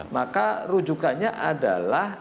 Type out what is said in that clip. maka rujukannya adalah